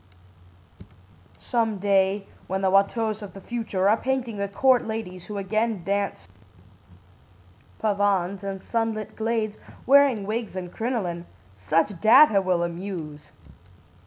Some day, when the Wateaus of the future are painting the court ladies who again dance pavanes in sunlit glades, wearing wigs and crinoline, such data will amuse.